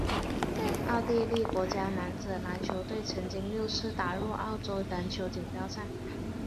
奥地利国家男子篮球队曾经六次打入欧洲篮球锦标赛。